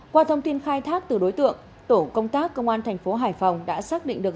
qua thông tin khai thác từ đối tượng tổ công tác công an thành phố hải phòng đã xác định được